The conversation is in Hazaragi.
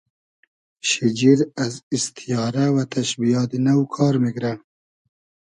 شیجیر از ایستیارۂ و تئشبیات نۆ کار میگرۂ